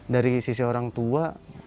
dari sisi orang tua